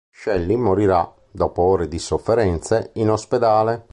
Shelly morirà, dopo ore di sofferenze, in ospedale.